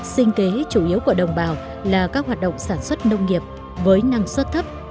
sinh kế chủ yếu của đồng bào là các hoạt động sản xuất nông nghiệp với năng suất thấp